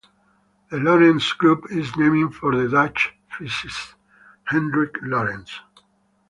The Lorentz group is named for the Dutch physicist Hendrik Lorentz.